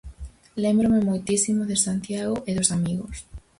Lémbrome moitísimo de Santiago e dos amigos.